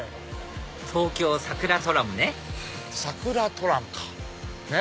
東京さくらトラムねさくらトラムか。